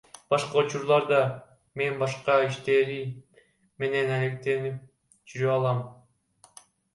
Башка учурларда мен башка иштерим менен алектенип жүрө алам.